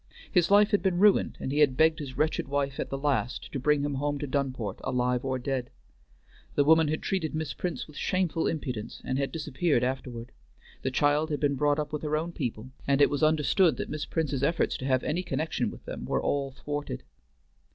His life had been ruined, and he had begged his wretched wife at the last to bring him home to Dunport, alive or dead. The woman had treated Miss Prince with shameful impudence and had disappeared afterward. The child had been brought up with her own people, and it was understood that Miss Prince's efforts to have any connection with them were all thwarted.